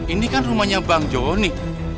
ini kan rumahnya bang joni